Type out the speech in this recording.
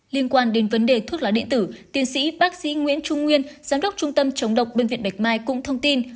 liên quan đến vấn đề thuốc lá điện tử tiến sĩ bác sĩ nguyễn trung nguyên giám đốc trung tâm chống độc bệnh viện bạch mai cũng thông tin